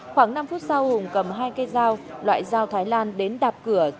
khoảng năm phút sau hùng cầm hai cây dao loại dao thái lan đến đạp cửa